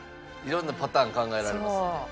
色んなパターン考えられますね。